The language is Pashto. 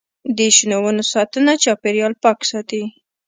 د شنو ونو ساتنه چاپیریال پاک ساتي.